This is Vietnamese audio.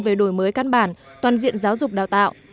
về đổi mới căn bản toàn diện giáo dục đào tạo